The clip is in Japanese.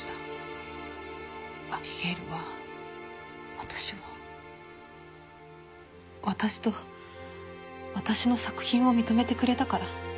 アビゲイルは私を私と私の作品を認めてくれたから。